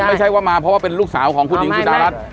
ไม่ใช่ว่ามาเพราะว่าเป็นลูกสาวของคุณหญิงสุดารัฐ